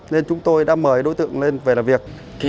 nên chúng tôi đã mời đối tượng lên về làm việc